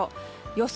予想